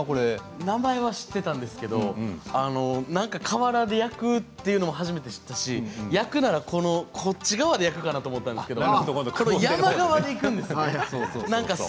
名前は知っていたんですけど瓦で焼くというのは初めて知ったし焼くのは内側かなと思っていたんですが山側で焼くんですね